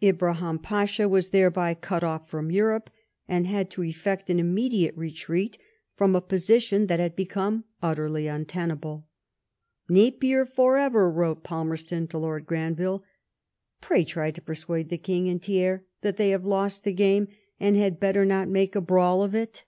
Ibrahim Pasha was thereby cut off from Egypt, and had to effect an immediate retreat from a position that had become utterly untenable. " Napier for ever !" wrote Palmer ston to Lord Granville. Pray try to persuade the King and Thiers that they have lost the game and had better not make a brawl of it."